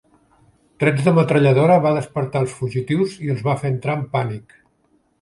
Trets de metralladora va despertar els fugitius i els va fer entrar en pànic.